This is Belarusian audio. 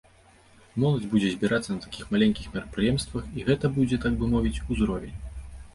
Моладзь будзе збірацца на такіх маленькіх мерапрыемствах, і гэта будзе, так бы мовіць, узровень.